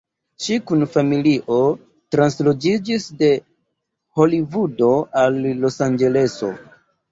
Ŝi kun la familio transloĝiĝis de Holivudo al Losanĝeleso.